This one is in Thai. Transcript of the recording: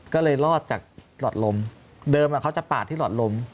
ก็เลยรอดจากหลอดลมเดิมเขาจะปาดที่หลอดลม